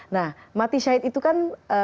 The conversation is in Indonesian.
nah mati syahid itu kan